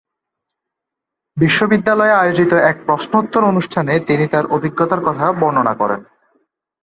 বিশ্ববিদ্যালয়ে আয়োজিত এক প্রশ্নোত্তর অনুষ্ঠানে তিনি তার অভিজ্ঞতার কথা বর্ণনা করেন।